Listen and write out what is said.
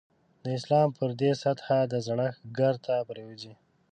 د اسلام پر دې سطح د زړښت ګرد نه پرېوځي.